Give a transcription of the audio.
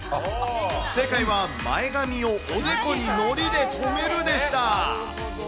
正解は前髪をおでこにのりで留めるでした。